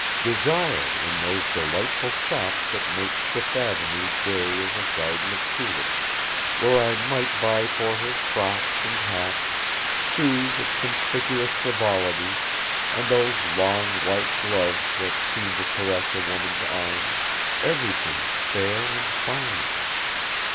Desire in those delightful shops that make Fifth Avenue gay as a garden of tulips, where I might buy for her frocks and hats, shoes of conspicuous frivolity and those long white gloves that seem to caress a woman's arm everything fair and fine.